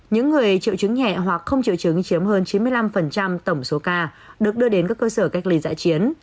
những người triệu chứng nhẹ hoặc không triệu chứng chiếm hơn chín mươi năm tổng số ca được đưa đến các cơ sở cách ly dã chiến